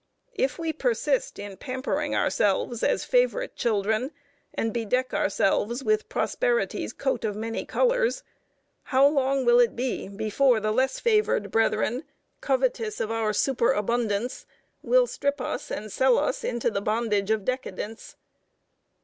If we persist in pampering ourselves as favorite children, and bedeck ourselves with prosperity's coat of many colors, how long will it be before the less favored brethren, covetous of our superabundance, will strip us and sell us into the bondage of decadence?